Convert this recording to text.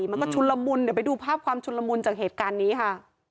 มันก็ชุนละมุนเดี๋ยวไปดูภาพความชุนละมุนจากเหตุการณ์นี้ค่ะ